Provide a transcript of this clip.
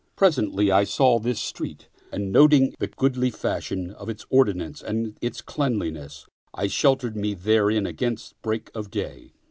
Presently I saw this street and noting the goodly fashion of its ordinance and its cleanli ness, I sheltered me therein against break of day.